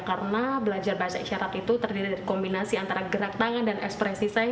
karena belajar bahasa isyarat itu terdiri dari kombinasi antara gerak tangan dan ekspresi saya